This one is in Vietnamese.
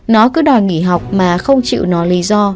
nó cứ đòi nghỉ học mà không chịu nó lý do